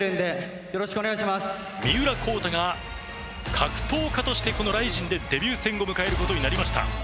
格闘家としてこのＲＩＺＩＮでデビュー戦を迎えることになりました。